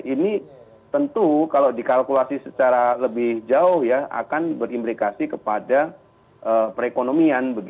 ini tentu kalau dikalkulasi secara lebih jauh ya akan berimplikasi kepada perekonomian